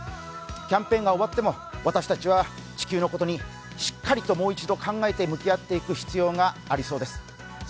キャンペーンが終わっても私たちは地球のことにしっかり考えて向き合っていく必要がありそうです。